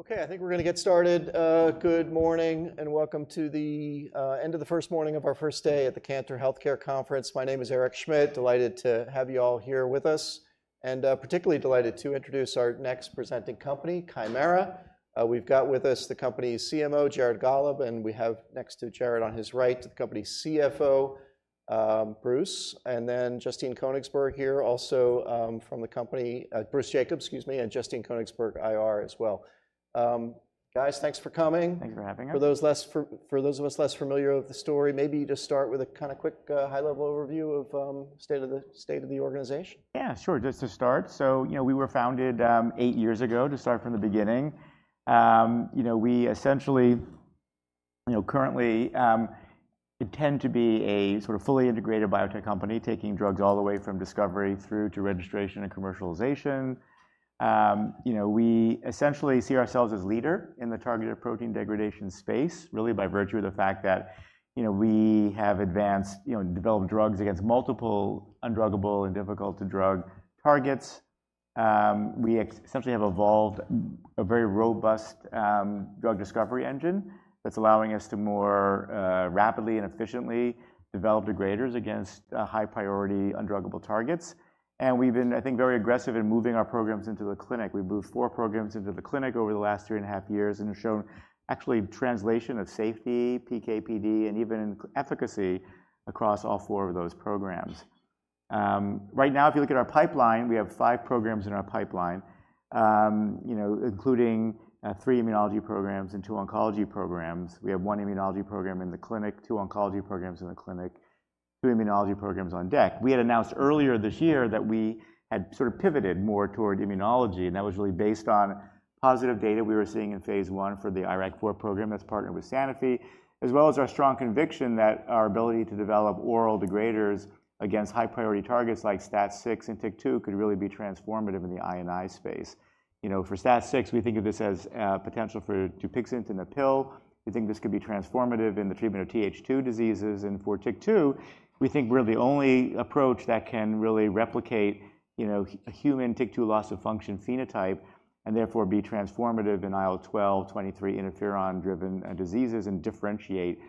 Okay, I think we're gonna get started. Good morning, and welcome to the end of the first morning of our first day at the Cantor Healthcare Conference. My name is Eric Schmidt, delighted to have you all here with us, and particularly delighted to introduce our next presenting company, Kymera. We've got with us the company's CMO, Jared Gollob, and we have next to Jared on his right, the company's CFO, Bruce, and then Justine Koenigsberg here also from the company. Bruce Jacobs, excuse me, and Justine Koenigsberg, IR, as well. Guys, thanks for coming. Thanks for having us. For those of us less familiar with the story, maybe just start with a kinda quick high-level overview of state of the organization. Yeah, sure. Just to start, so, you know, we were founded, eight years ago, to start from the beginning. You know, we essentially, you know, currently, intend to be a sort of fully integrated biotech company, taking drugs all the way from discovery through to registration and commercialization. You know, we essentially see ourselves as leader in the targeted protein degradation space, really by virtue of the fact that, you know, we have advanced, you know, and developed drugs against multiple undruggable and difficult to drug targets. We essentially have evolved a very robust, drug discovery engine that's allowing us to more, rapidly and efficiently develop degraders against, high priority undruggable targets. And we've been, I think, very aggressive in moving our programs into the clinic. We've moved four programs into the clinic over the last three and a half years, and have shown actually translation of safety, PK/PD, and even efficacy across all four of those programs. Right now, if you look at our pipeline, we have five programs in our pipeline, you know, including three immunology programs and two oncology programs. We have one immunology program in the clinic, two oncology programs in the clinic, three immunology programs on deck. We had announced earlier this year that we had sort of pivoted more toward immunology, and that was really based on positive data we were seeing in phase one for the IRAK4 program that's partnered with Sanofi, as well as our strong conviction that our ability to develop oral degraders against high priority targets like STAT6 and TYK2 could really be transformative in the I&I space. You know, for STAT6, we think of this as potential for Dupixent in a pill. We think this could be transformative in the treatment of Th2 diseases, and for TYK2, we think we're the only approach that can really replicate, you know, a human TYK2 loss-of-function phenotype, and therefore be transformative in IL-12/23 interferon-driven diseases and differentiate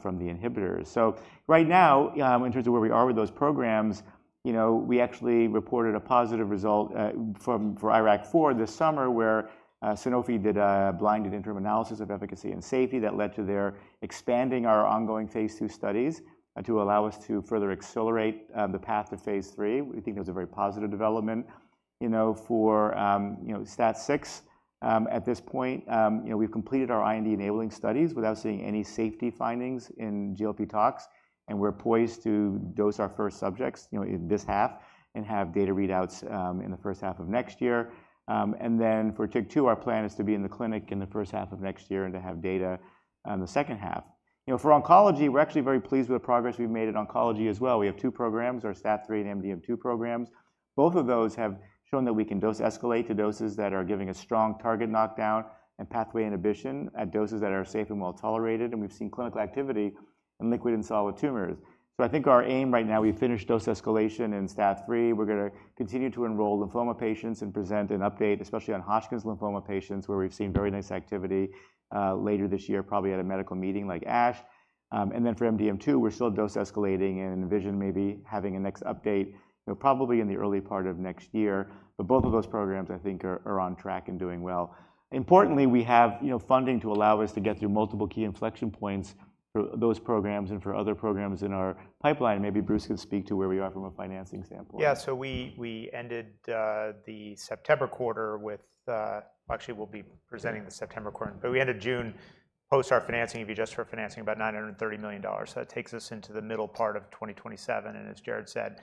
from the inhibitors, so right now in terms of where we are with those programs, you know, we actually reported a positive result for IRAK4 this summer, where Sanofi did a blinded interim analysis of efficacy and safety that led to their expanding our ongoing phase two studies to allow us to further accelerate the path to phase three. We think it was a very positive development. You know, for, you know, STAT6, at this point, you know, we've completed our IND-enabling studies without seeing any safety findings in GLP tox, and we're poised to dose our first subjects, you know, in this half, and have data readouts, in the first half of next year. And then for TYK2, our plan is to be in the clinic in the first half of next year and to have data, in the second half. You know, for oncology, we're actually very pleased with the progress we've made in oncology as well. We have two programs, our STAT3 and MDM2 programs. Both of those have shown that we can dose escalate to doses that are giving a strong target knockdown and pathway inhibition at doses that are safe and well-tolerated, and we've seen clinical activity in liquid and solid tumors. So I think our aim right now, we've finished dose escalation in STAT3. We're gonna continue to enroll lymphoma patients and present an update, especially on Hodgkin's lymphoma patients, where we've seen very nice activity later this year, probably at a medical meeting like ASH. And then for MDM2, we're still dose escalating and envision maybe having a next update, you know, probably in the early part of next year. But both of those programs, I think are on track and doing well. Importantly, we have, you know, funding to allow us to get through multiple key inflection points for those programs and for other programs in our pipeline. Maybe Bruce can speak to where we are from a financing standpoint. Yeah, so we ended the September quarter with... Actually, we'll be presenting the September quarter. But we ended June, post our financing, if you just heard financing, about $930 million. So that takes us into the middle part of 2027, and as Jared said,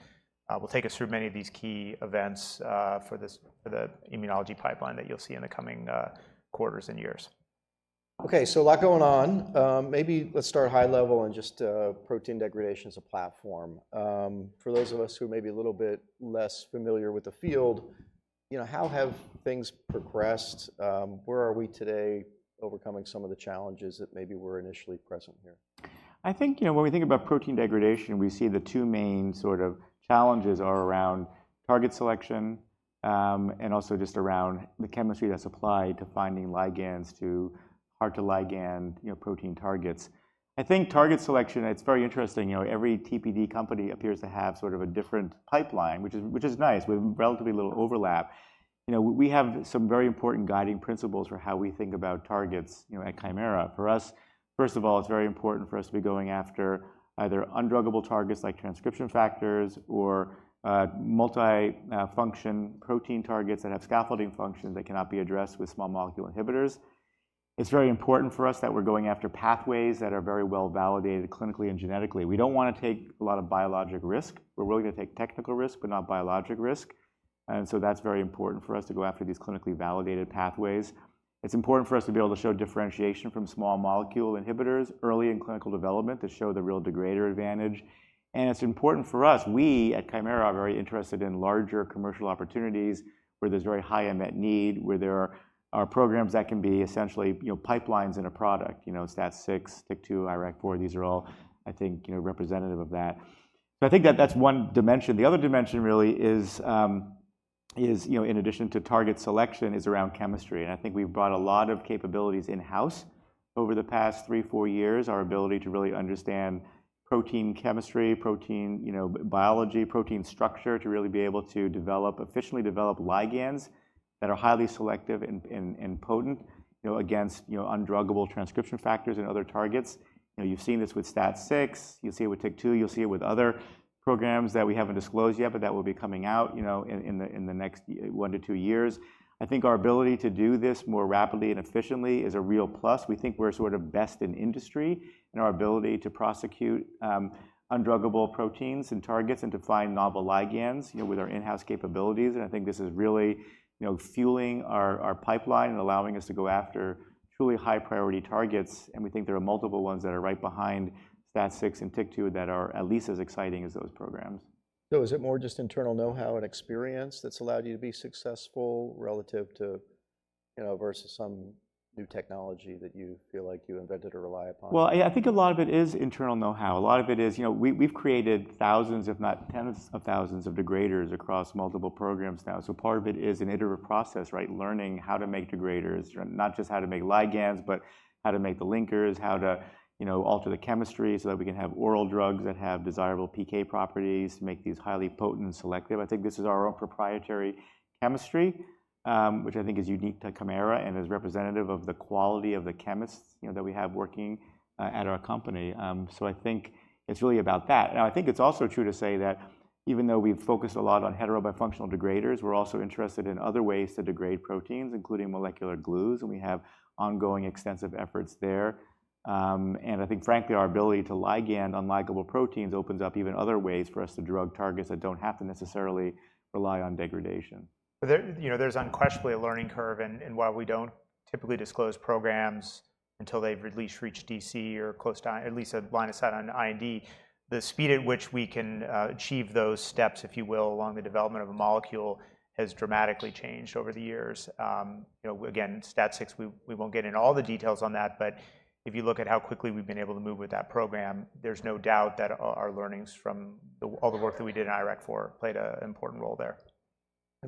will take us through many of these key events for this, the immunology pipeline that you'll see in the coming quarters and years. Okay, so a lot going on. Maybe let's start high level and just, protein degradation as a platform. For those of us who may be a little bit less familiar with the field, you know, how have things progressed? Where are we today, overcoming some of the challenges that maybe were initially present here? I think, you know, when we think about protein degradation, we see the two main sort of challenges are around target selection, and also just around the chemistry that's applied to finding ligands to hard-to-ligand, you know, protein targets. I think target selection, it's very interesting. You know, every TPD company appears to have sort of a different pipeline, which is nice, with relatively little overlap. You know, we have some very important guiding principles for how we think about targets, you know, at Kymera. For us, first of all, it's very important for us to be going after either undruggable targets, like transcription factors, or multifunctional protein targets that have scaffolding functions that cannot be addressed with small molecule inhibitors. It's very important for us that we're going after pathways that are very well-validated clinically and genetically. We don't wanna take a lot of biologic risk. We're willing to take technical risk, but not biologic risk, and so that's very important for us to go after these clinically validated pathways. It's important for us to be able to show differentiation from small molecule inhibitors early in clinical development, to show the real degrader advantage, and it's important for us, we at Kymera are very interested in larger commercial opportunities where there's very high unmet need, where there are programs that can be essentially, you know, pipelines in a product. You know, STAT6, TYK2, IRAK4, these are all, I think, you know, representative of that, so I think that that's one dimension. The other dimension really is, you know, in addition to target selection, is around chemistry, and I think we've brought a lot of capabilities in-house over the past three, four years. Our ability to really understand protein chemistry, protein, you know, biology, protein structure, to really be able to develop, efficiently develop ligands that are highly selective and potent, you know, against, you know, undruggable transcription factors and other targets. You know, you've seen this with STAT6, you'll see it with TYK2, you'll see it with other programs that we haven't disclosed yet, but that will be coming out, you know, in the next one to two years. I think our ability to do this more rapidly and efficiently is a real plus. We think we're sort of best in industry in our ability to prosecute undruggable proteins and targets and to find novel ligands, you know, with our in-house capabilities. I think this is really, you know, fueling our pipeline and allowing us to go after truly high-priority targets, and we think there are multiple ones that are right behind STAT6 and TYK2 that are at least as exciting as those programs. So is it more just internal know-how and experience that's allowed you to be successful relative to, you know, versus some new technology that you feel like you invented or rely upon? I think a lot of it is internal know-how. A lot of it is, you know, we've created thousands, if not tens of thousands, of degraders across multiple programs now. Part of it is an iterative process, right? Learning how to make degraders, not just how to make ligands, but how to make the linkers, how to, you know, alter the chemistry so that we can have oral drugs that have desirable PK properties, make these highly potent and selective. I think this is our own proprietary chemistry, which I think is unique to Kymera and is representative of the quality of the chemists, you know, that we have working at our company. I think it's really about that. Now, I think it's also true to say that even though we've focused a lot on heterobifunctional degraders, we're also interested in other ways to degrade proteins, including molecular glues, and we have ongoing extensive efforts there, and I think frankly, our ability to ligand undruggable proteins opens up even other ways for us to drug targets that don't have to necessarily rely on degradation. There, you know, there's unquestionably a learning curve, and while we don't typically disclose programs until they've at least reached DC or close to, at least a line of sight on IND, the speed at which we can achieve those steps, if you will, along the development of a molecule, has dramatically changed over the years. You know, again, STAT6, we won't get into all the details on that, but if you look at how quickly we've been able to move with that program, there's no doubt that our learnings from all the work that we did in IRAK4 played a important role there.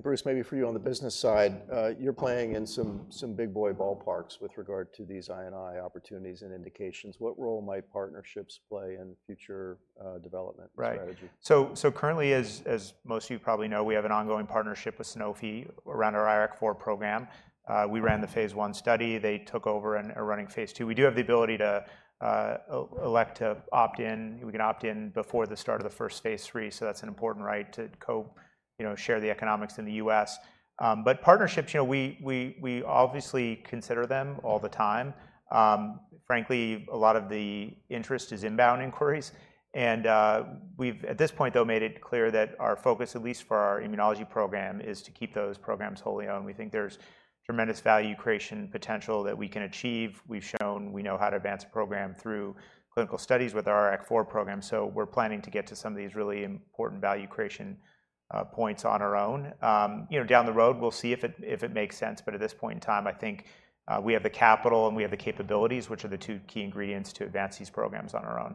Bruce, maybe for you on the business side, you're playing in some big boy ballparks with regard to these I&I opportunities and indications. What role might partnerships play in future, development and strategy? Right. So currently as most of you probably know, we have an ongoing partnership with Sanofi around our IRAK4 program. We ran the phase I study. They took over and are running phase II. We do have the ability to elect to opt in. We can opt in before the start of the first phase III, so that's an important right to you know, share the economics in the US. But partnerships, you know, we obviously consider them all the time. Frankly, a lot of the interest is inbound inquiries and we've at this point, though, made it clear that our focus, at least for our immunology program, is to keep those programs wholly owned. We think there's tremendous value creation potential that we can achieve. We've shown we know how to advance a program through clinical studies with our IRAK4 program, so we're planning to get to some of these really important value creation points on our own. You know, down the road, we'll see if it makes sense, but at this point in time, I think we have the capital and we have the capabilities, which are the two key ingredients to advance these programs on our own.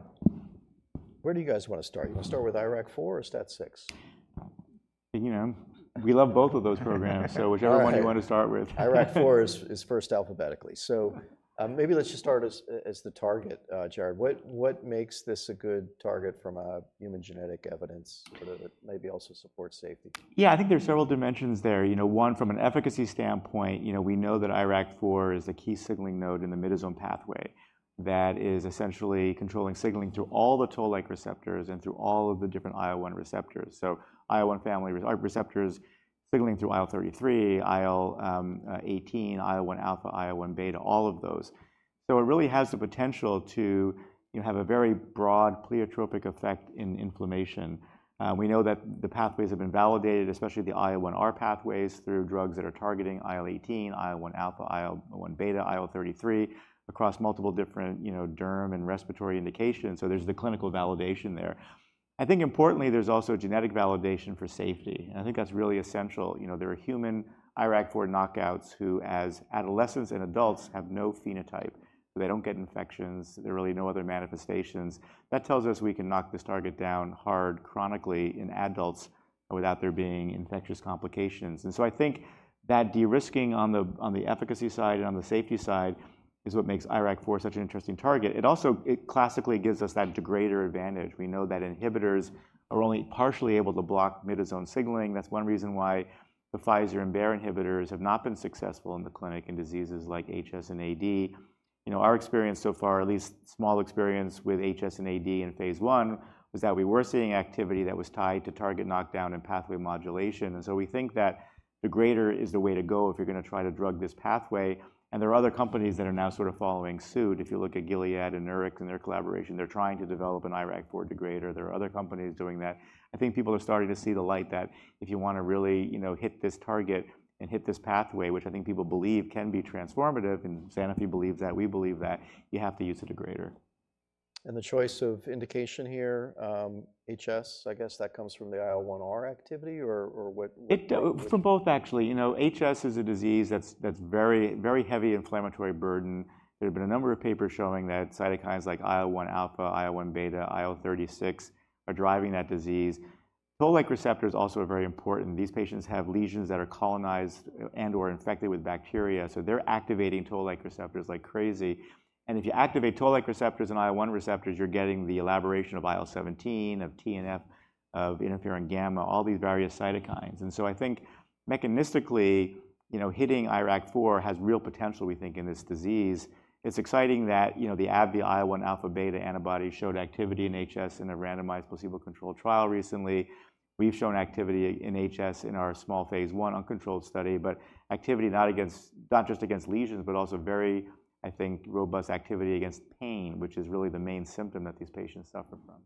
Where do you guys wanna start? You wanna start with IRAK4 or STAT6? You know, we love both of those programs, so whichever one you wanna start with. IRAK4 is first alphabetically. So, maybe let's just start as the target, Jared. What makes this a good target from a human genetic evidence, whether it maybe also supports safety? Yeah, I think there are several dimensions there. You know, one, from an efficacy standpoint, you know, we know that IRAK4 is a key signaling node in the Myddosome pathway that is essentially controlling signaling through all the Toll-like receptors and through all of the different IL-1 receptors. So IL-1 family receptors signaling through IL-33, IL-18, IL-1 alpha, IL-1 beta, all of those. So it really has the potential to, you know, have a very broad pleiotropic effect in inflammation. We know that the pathways have been validated, especially the IL-1R pathways, through drugs that are targeting IL-18, IL-1 alpha, IL-1 beta, IL-33, across multiple different, you know, derm and respiratory indications, so there's the clinical validation there. I think importantly, there's also genetic validation for safety, and I think that's really essential. You know, there are human IRAK4 knockouts who, as adolescents and adults, have no phenotype. They don't get infections. There are really no other manifestations. That tells us we can knock this target down hard chronically in adults without there being infectious complications. And so I think that de-risking on the, on the efficacy side and on the safety side is what makes IRAK4 such an interesting target. It also... It classically gives us that degrader advantage. We know that inhibitors are only partially able to block myddosome signaling. That's one reason why the Pfizer and Bayer inhibitors have not been successful in the clinic in diseases like HS and AD. You know, our experience so far, at least small experience with HS and AD in phase I, was that we were seeing activity that was tied to target knockdown and pathway modulation. And so we think that the greater is the way to go if you're gonna try to drug this pathway, and there are other companies that are now sort of following suit. If you look at Gilead and Nurix and their collaboration, they're trying to develop an IRAK4 degrader. There are other companies doing that. I think people are starting to see the light, that if you wanna really, you know, hit this target and hit this pathway, which I think people believe can be transformative, and Sanofi believes that, we believe that, you have to use a degrader. The choice of indication here, HS, I guess that comes from the IL-1R activity, or what- It does from both actually. You know, HS is a disease that's very, very heavy inflammatory burden. There have been a number of papers showing that cytokines like IL-1 alpha, IL-1 beta, IL-36, are driving that disease. Toll-like receptors also are very important. These patients have lesions that are colonized and/or infected with bacteria, so they're activating toll-like receptors like crazy. If you activate toll-like receptors and IL-1 receptors, you're getting the elaboration of IL-17, of TNF, of interferon gamma, all these various cytokines. So I think mechanistically, you know, hitting IRAK4 has real potential, we think, in this disease. It's exciting that, you know, the AbbVie IL-1 alpha/beta antibody showed activity in HS in a randomized placebo-controlled trial recently. We've shown activity in HS in our small phase I uncontrolled study, but not just against lesions, but also very, I think, robust activity against pain, which is really the main symptom that these patients suffer from.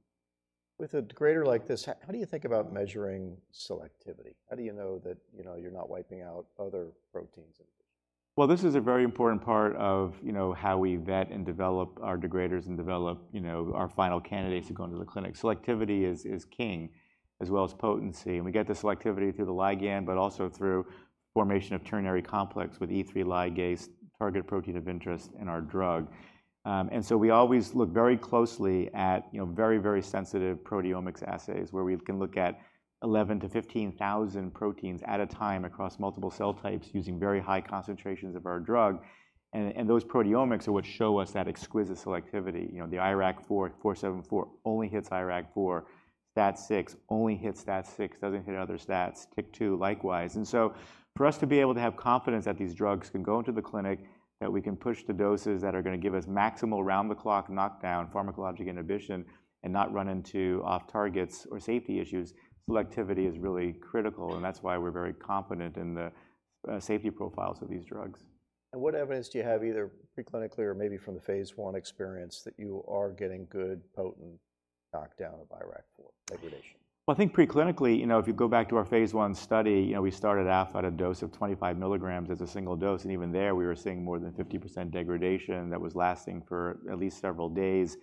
With a degrader like this, how do you think about measuring selectivity? How do you know that, you know, you're not wiping out other proteins in the patient? This is a very important part of, you know, how we vet and develop our degraders and develop, you know, our final candidates who go into the clinic. Selectivity is king, as well as potency, and we get the selectivity through the ligand, but also through formation of ternary complex with E3 ligase target protein of interest in our drug. And so we always look very closely at, you know, very, very sensitive proteomics assays, where we can look at 11-15 thousand proteins at a time across multiple cell types using very high concentrations of our drug. Those proteomics are what show us that exquisite selectivity. You know, the KT-474 only hits IRAK4. STAT6 only hits STAT6, doesn't hit other STATs. TYK2, likewise. And so for us to be able to have confidence that these drugs can go into the clinic, that we can push the doses that are gonna give us maximal round-the-clock knockdown, pharmacologic inhibition, and not run into off-targets or safety issues, selectivity is really critical, and that's why we're very confident in the safety profiles of these drugs. What evidence do you have, either preclinically or maybe from the phase I experience, that you are getting good, potent knockdown of IRAK4 degradation? I think preclinically, you know, if you go back to our phase I study, you know, we started off at a dose of 25 milligrams as a single dose, and even there, we were seeing more than 50% degradation that was lasting for at least several days.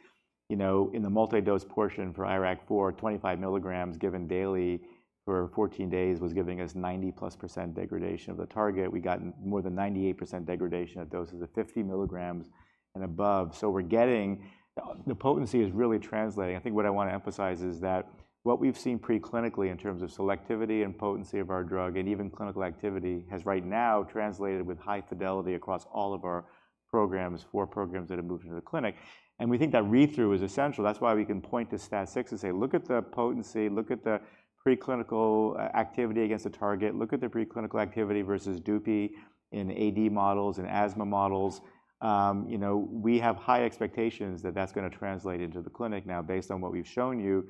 You know, in the multi-dose portion for IRAK4, 25 milligrams given daily for 14 days was giving us 90+% degradation of the target. We got more than 98% degradation at doses of 50 milligrams and above. So we're getting... The potency is really translating. I think what I want to emphasize is that what we've seen preclinically in terms of selectivity and potency of our drug, and even clinical activity, has right now translated with high fidelity across all of our programs, four programs that have moved into the clinic, and we think that read-through is essential. That's why we can point to STAT6 and say, "Look at the potency, look at the preclinical activity against the target, look at the preclinical activity versus Dupi in AD models and asthma models." You know, we have high expectations that that's gonna translate into the clinic now based on what we've shown you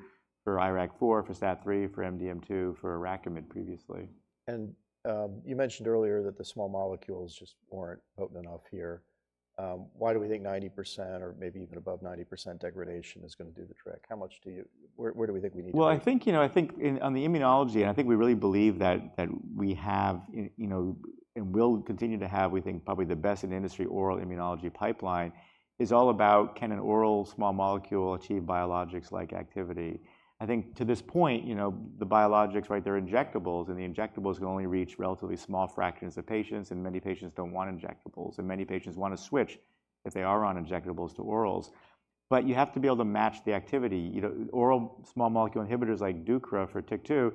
for IRAK4, for STAT3, for MDM2, for IRAKIMiD previously. You mentioned earlier that the small molecules just weren't potent enough here. Why do we think 90% or maybe even above 90% degradation is gonna do the trick? How much do you... Where do we think we need to go? I think, you know, I think in, on the immunology, and I think we really believe that we have, you know, and will continue to have, we think, probably the best in the industry oral immunology pipeline. [It's] all about, can an oral small molecule achieve biologics-like activity? I think to this point, you know, the biologics, right, they're injectables, and the injectables can only reach relatively small fractions of patients, and many patients don't want injectables, and many patients want to switch, if they are on injectables, to orals. But you have to be able to match the activity. You know, oral small molecule inhibitors like Sotyktu for TYK2,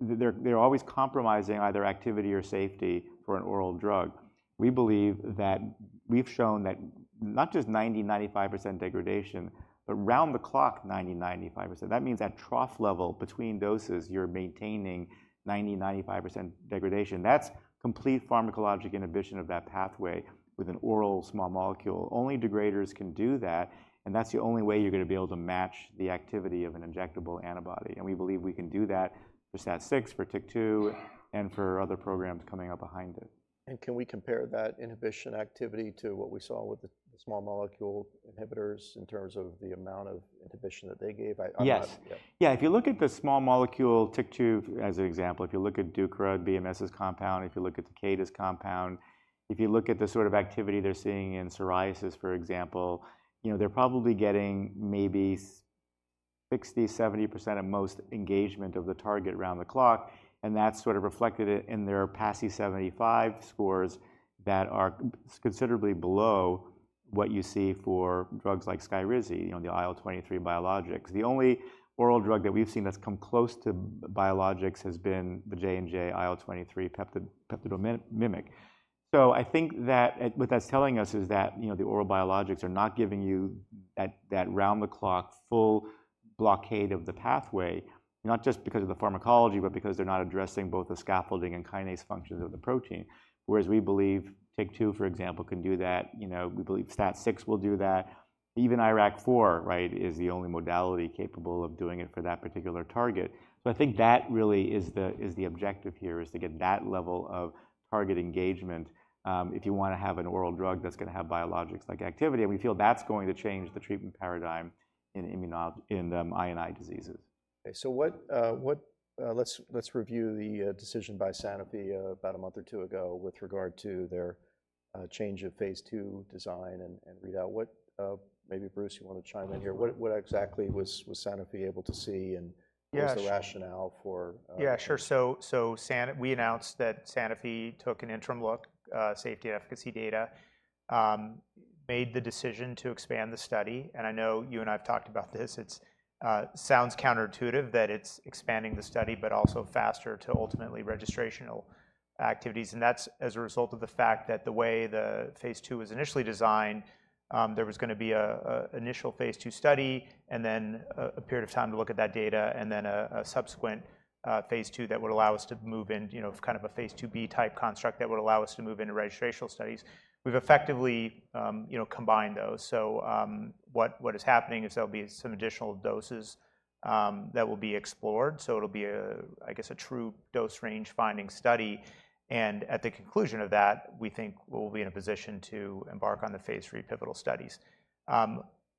they're always compromising either activity or safety for an oral drug. We believe that we've shown that not just 95% degradation, but round-the-clock 95%. That means that at trough level between doses, you're maintaining 90-95% degradation. That's complete pharmacologic inhibition of that pathway with an oral small molecule. Only degraders can do that, and that's the only way you're gonna be able to match the activity of an injectable antibody, and we believe we can do that for STAT6, for TYK2, and for other programs coming up behind it. Can we compare that inhibition activity to what we saw with the small molecule inhibitors in terms of the amount of inhibition that they gave? I'm not- Yes. Yeah. Yeah, if you look at the small molecule, TYK2 as an example, if you look at Sotyktu, BMS's compound, if you look at Takeda's compound, if you look at the sort of activity they're seeing in psoriasis, for example, you know, they're probably getting maybe 60%-70% of most engagement of the target round the clock, and that's sort of reflected in their PASI 75 scores that are considerably below what you see for drugs like Skyrizi, you know, the IL-23 biologics. The only oral drug that we've seen that's come close to biologics has been the J&J IL-23 peptido-mimic. So I think that, what that's telling us is that, you know, the oral biologics are not giving you that, that round-the-clock, full blockade of the pathway, not just because of the pharmacology, but because they're not addressing both the scaffolding and kinase functions of the protein. Whereas we believe TYK2, for example, can do that. You know, we believe STAT6 will do that. Even IRAK4, right, is the only modality capable of doing it for that particular target. So I think that really is the, is the objective here, is to get that level of target engagement, if you wanna have an oral drug that's gonna have biologics-like activity, and we feel that's going to change the treatment paradigm in immuno- in, I and I diseases. Okay, so what. Let's review the decision by Sanofi about a month or two ago with regard to their change of phase two design and readout. What, maybe Bruce, you want to chime in here? What exactly was Sanofi able to see, and- Yeah. What was the rationale for? Yeah, sure. So, Sanofi we announced that Sanofi took an interim look, safety and efficacy data, made the decision to expand the study, and I know you and I have talked about this. It sounds counterintuitive that it's expanding the study, but also faster to ultimately registrational activities, and that's as a result of the fact that the way the phase two was initially designed, there was gonna be an initial phase two study and then a period of time to look at that data and then a subsequent phase two that would allow us to move in, you know, kind of a phase two B type construct that would allow us to move into registrational studies. We've effectively, you know, combined those. So, what is happening is there'll be some additional doses that will be explored. So it'll be, I guess, a true dose range finding study, and at the conclusion of that, we think we'll be in a position to embark on the phase three pivotal studies.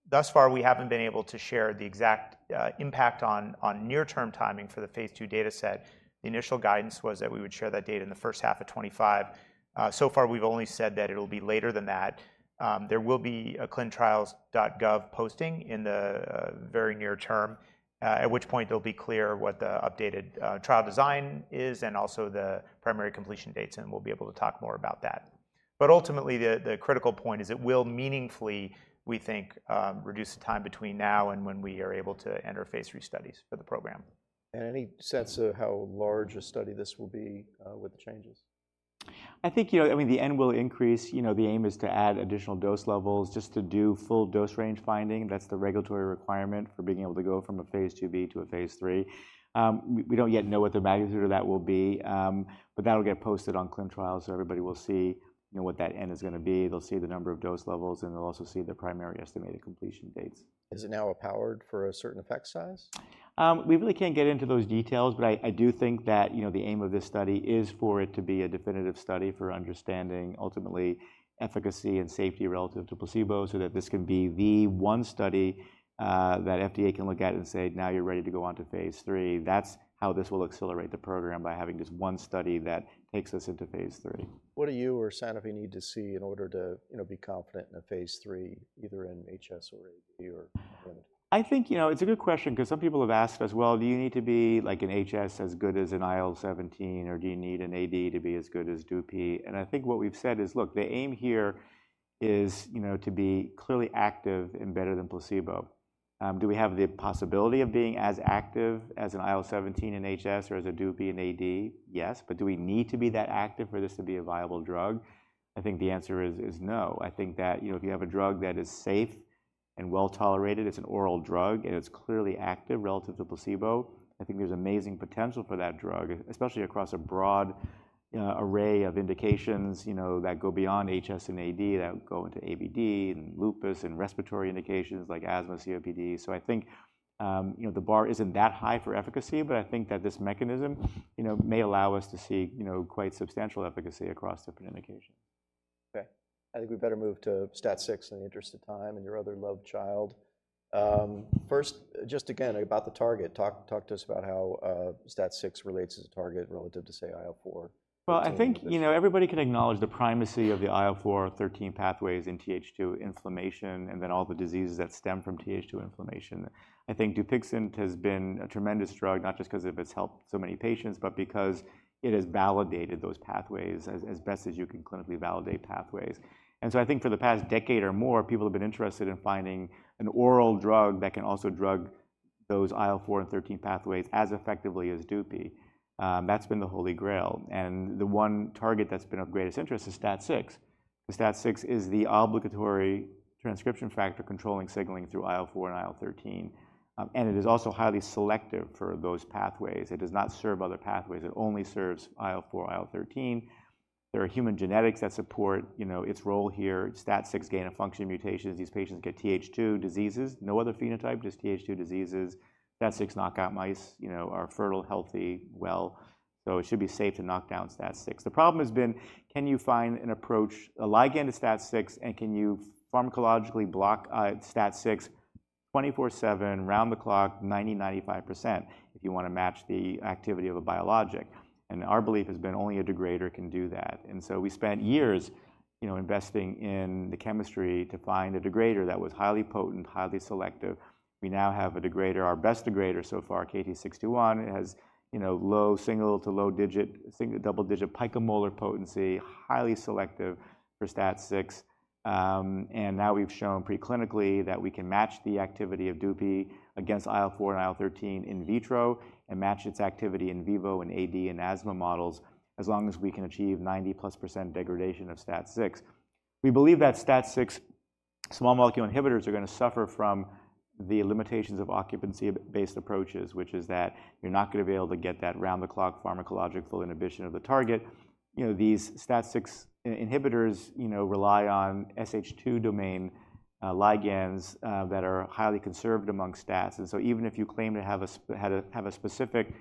Thus far, we haven't been able to share the exact impact on near-term timing for the phase two dataset. The initial guidance was that we would share that data in the first half of 2025. So far, we've only said that it'll be later than that. There will be a ClinicalTrials.gov posting in the very near term, at which point it'll be clear what the updated trial design is and also the primary completion dates, and we'll be able to talk more about that. But ultimately, the critical point is it will meaningfully, we think, reduce the time between now and when we are able to enter phase three studies for the program. Any sense of how large a study this will be, with the changes? I think, you know, I mean, the end will increase. You know, the aim is to add additional dose levels just to do full dose range finding. That's the regulatory requirement for being able to go from a phase 2b to a phase 3. We don't yet know what the magnitude of that will be, but that'll get posted on clinical trials, so everybody will see, you know, what that N is gonna be. They'll see the number of dose levels, and they'll also see the primary estimated completion dates. Is it now powered for a certain effect size? We really can't get into those details, but I do think that, you know, the aim of this study is for it to be a definitive study for understanding ultimately efficacy and safety relative to placebo, so that this can be the one study that FDA can look at and say, "Now you're ready to go on to phase three." That's how this will accelerate the program, by having just one study that takes us into phase three. What do you or Sanofi need to see in order to, you know, be confident in a phase 3, either in HS or AD or limited? I think, you know, it's a good question 'cause some people have asked us: Well, do you need to be like an HS as good as an IL-17, or do you need an AD to be as good as Dupixent? And I think what we've said is, look, the aim here is, you know, to be clearly active and better than placebo. Do we have the possibility of being as active as an IL-17 in HS or as a Dupixent in AD? Yes, but do we need to be that active for this to be a viable drug? I think the answer is no. I think that, you know, if you have a drug that is safe and well-tolerated, it's an oral drug, and it's clearly active relative to placebo, I think there's amazing potential for that drug, especially across a broad, array of indications, you know, that go beyond HS and AD, that go into IBD and lupus and respiratory indications like asthma, COPD. So I think, you know, the bar isn't that high for efficacy, but I think that this mechanism, you know, may allow us to see, you know, quite substantial efficacy across different indications. Okay, I think we better move to STAT6 in the interest of time and your other loved child. First, just again, about the target, talk to us about how STAT6 relates as a target relative to, say, IL-4. I think, you know, everybody can acknowledge the primacy of the IL-4 and IL-13 pathways in Th2 inflammation, and then all the diseases that stem from Th2 inflammation. I think Dupixent has been a tremendous drug, not just 'cause it has helped so many patients, but because it has validated those pathways as best as you can clinically validate pathways. So I think for the past decade or more, people have been interested in finding an oral drug that can also drug those IL-4 and IL-13 pathways as effectively as Dupixent. That's been the Holy Grail, and the one target that's been of greatest interest is STAT6. The STAT6 is the obligatory transcription factor controlling signaling through IL-4 and IL-13, and it is also highly selective for those pathways. It does not serve other pathways. It only serves IL-4 and IL-13. There are human genetics that support, you know, its role here. STAT6 gain-of-function mutations, these patients get Th2 diseases, no other phenotype, just Th2 diseases. STAT6 knockout mice, you know, are fertile, healthy, well, so it should be safe to knock down STAT6. The problem has been, can you find an approach, a ligand to STAT6, and can you pharmacologically block STAT6 24/7, round the clock, 90-95% if you wanna match the activity of a biologic? Our belief has been only a degrader can do that. So we spent years, you know, investing in the chemistry to find a degrader that was highly potent, highly selective. We now have a degrader. Our best degrader so far, KT-621, has, you know, low single- to low double-digit picomolar potency, highly selective for STAT6. And now we've shown preclinically that we can match the activity of Dupixent against IL-4 and IL-13 in vitro and match its activity in vivo and AD and asthma models, as long as we can achieve 90+% degradation of STAT6. We believe that STAT6 small molecule inhibitors are gonna suffer from the limitations of occupancy-based approaches, which is that you're not gonna be able to get that round-the-clock pharmacological inhibition of the target. You know, these STAT6 inhibitors, you know, rely on SH2 domain ligands that are highly conserved among STATs. And so even if you claim to have a specific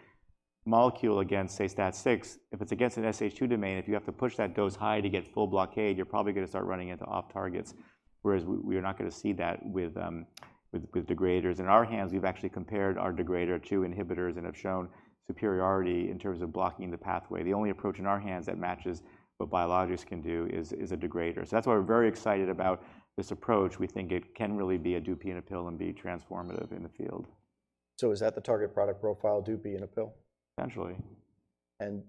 molecule against, say, STAT6, if it's against an SH2 domain, if you have to push the dose high to get full blockade, you're probably gonna start running into off-targets. Whereas we are not gonna see that with degraders. In our hands, we've actually compared our degrader to inhibitors and have shown superiority in terms of blocking the pathway. The only approach in our hands that matches what biologics can do is a degrader. So that's why we're very excited about this approach. We think it can really be a Dupixent in a pill and be transformative in the field. So is that the target product profile, Dupixent in a pill? Potentially.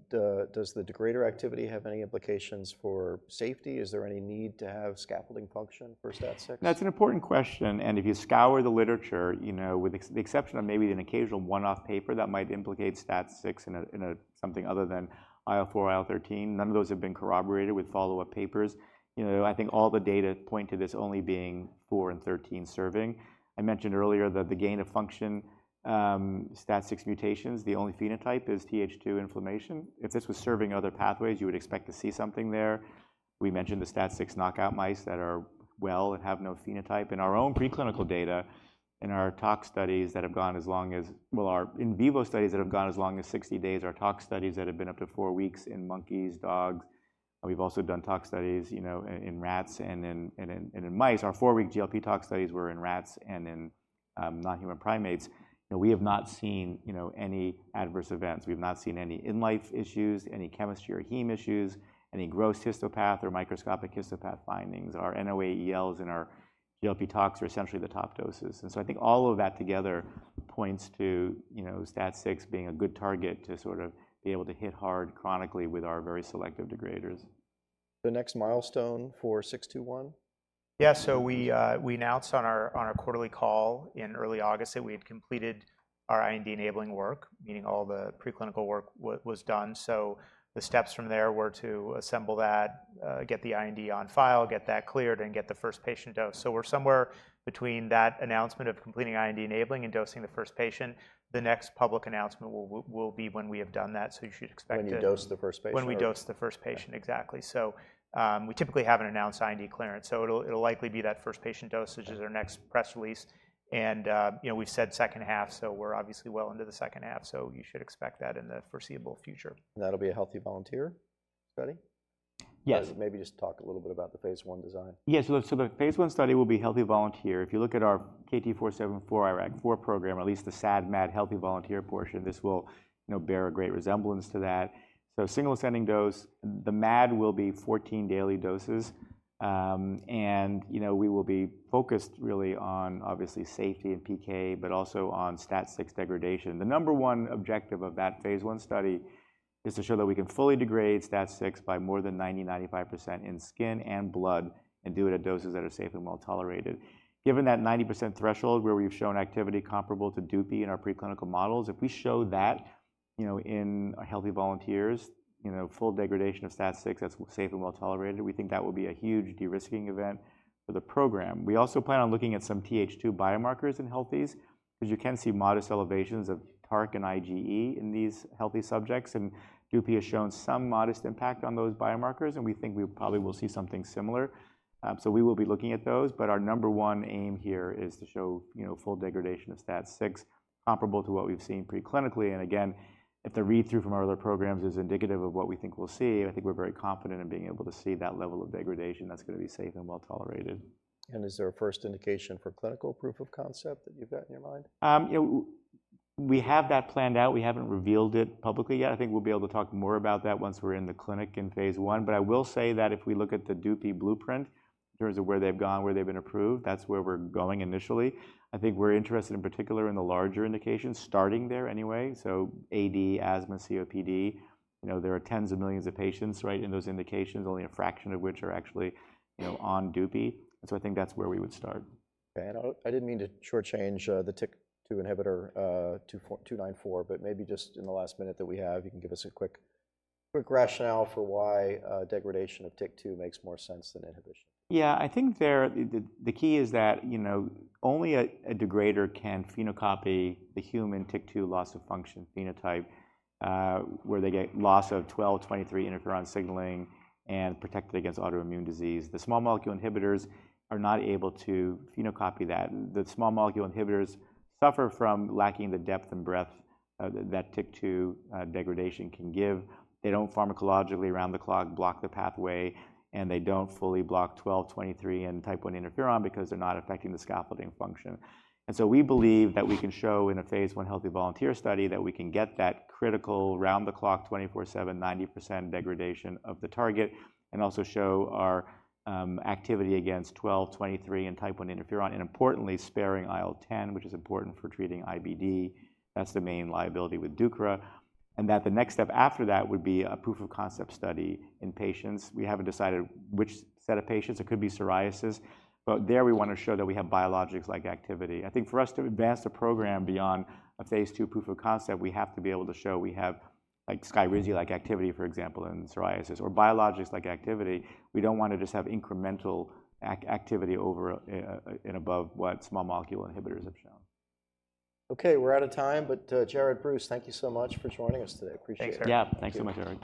Does the degrader activity have any implications for safety? Is there any need to have scaffolding function for STAT6? That's an important question, and if you scour the literature, you know, with the exception of maybe an occasional one-off paper that might implicate STAT6 in a something other than IL-4, IL-13, none of those have been corroborated with follow-up papers. You know, I think all the data point to this only being IL-4 and IL-13 serving. I mentioned earlier that the gain of function, STAT6 mutations, the only phenotype is TH2 inflammation. If this was serving other pathways, you would expect to see something there. We mentioned the STAT6 knockout mice that are well and have no phenotype. In our own preclinical data, in our tox studies that have gone as long as... Our in vivo studies that have gone as long as sixty days, our tox studies that have been up to four weeks in monkeys, dogs, and we've also done tox studies, you know, in rats and in mice. Our four-week GLP tox studies were in rats and in non-human primates, and we have not seen, you know, any adverse events. We've not seen any in-life issues, any chemistry or heme issues, any gross histopath or microscopic histopath findings. Our NOAELs and our GLP tox are essentially the top doses. And so I think all of that together points to, you know, STAT6 being a good target to sort of be able to hit hard chronically with our very selective degraders. The next milestone for KT-621? Yeah, so we announced on our quarterly call in early August that we had completed our IND-enabling work, meaning all the preclinical work was done. So the steps from there were to assemble that, get the IND on file, get that cleared, and get the first patient dose. So we're somewhere between that announcement of completing IND-enabling and dosing the first patient. The next public announcement will be when we have done that, so you should expect it- When you dose the first patient. When we dose the first patient. Okay. Exactly. So we typically have an announced IND clearance, so it'll likely be that first patient dosage is our next press release, and you know, we've said second half, so we're obviously well into the second half, so you should expect that in the foreseeable future. That'll be a healthy volunteer study? Yes. Maybe just talk a little bit about the phase I design. Yes. So the phase I study will be healthy volunteer. If you look at our KT-474 IRAK4 program, or at least the SAD/MAD healthy volunteer portion, this will, you know, bear a great resemblance to that. So single ascending dose, the MAD will be 14 daily doses. And, you know, we will be focused really on, obviously, safety and PK, but also on STAT6 degradation. The number one objective of that phase I study is to show that we can fully degrade STAT6 by more than 90-95% in skin and blood, and do it at doses that are safe and well-tolerated. Given that 90% threshold, where we've shown activity comparable to Dupixent in our preclinical models, if we show that, you know, in healthy volunteers, you know, full degradation of STAT6, that's safe and well-tolerated, we think that will be a huge de-risking event for the program. We also plan on looking at some Th2 biomarkers in healthies, 'cause you can see modest elevations of TARC and IgE in these healthy subjects, and Dupixent has shown some modest impact on those biomarkers, and we think we probably will see something similar, so we will be looking at those, but our number one aim here is to show, you know, full degradation of STAT6, comparable to what we've seen preclinically. Again, if the read-through from our other programs is indicative of what we think we'll see, I think we're very confident in being able to see that level of degradation that's gonna be safe and well-tolerated. Is there a first indication for clinical proof of concept that you've got in your mind? We have that planned out. We haven't revealed it publicly yet. I think we'll be able to talk more about that once we're in the clinic in phase I. But I will say that if we look at the Dupixent blueprint, in terms of where they've gone, where they've been approved, that's where we're going initially. I think we're interested, in particular, in the larger indications, starting there anyway. So AD, asthma, COPD, you know, there are tens of millions of patients, right, in those indications, only a fraction of which are actually, you know, on Dupixent. So I think that's where we would start. Okay. And I didn't mean to shortchange the TYK2 inhibitor, KT-294 but maybe just in the last minute that we have, you can give us a quick rationale for why degradation of TYK2 makes more sense than inhibition. Yeah, I think the key is that, you know, only a degrader can phenocopy the human TYK2 loss of function phenotype, where they get loss of IL-12/23 interferon signaling and protected against autoimmune disease. The small molecule inhibitors are not able to phenocopy that. The small molecule inhibitors suffer from lacking the depth and breadth that TYK2 degradation can give. They don't pharmacologically around-the-clock block the pathway, and they don't fully block IL-12/23 and Type I interferon because they're not affecting the scaffolding function. And so we believe that we can show in a phase I healthy volunteer study, that we can get that critical round-the-clock, twenty-four seven, 90% degradation of the target, and also show our activity against IL-12/23 and Type I interferon, and importantly, sparing IL-10, which is important for treating IBD. That's the main liability with Sotyktu. And that the next step after that would be a proof of concept study in patients. We haven't decided which set of patients. It could be psoriasis, but there, we want to show that we have biologics like activity. I think for us to advance the program beyond a phase II proof of concept, we have to be able to show we have, like, Skyrizi-like activity, for example, in psoriasis or biologics-like activity. We don't want to just have incremental activity over and above what small molecule inhibitors have shown. Okay, we're out of time, but, Jared, Bruce, thank you so much for joining us today. Appreciate it. Thanks, Jared. Yeah, thanks so much, Jared.